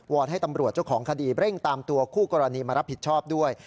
อนให้ตำรวจเจ้าของคดีเร่งตามตัวคู่กรณีมารับผิดชอบด้วย